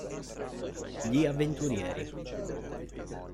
Gli avventurieri